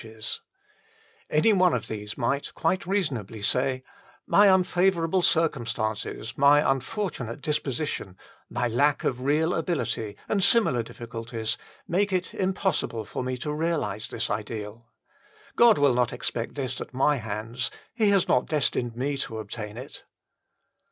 82 THE FULL BLESSING OF PENTECOST Any one of these might quite reasonably say :" My unfavourable circumstances, my unfortu nate disposition, my lack of real ability, and similar difficulties, make it impossible for me to realise this ideal. God will not expect this at my hands : He has not destined me to obtain it."